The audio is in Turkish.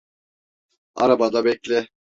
Arabada bekle.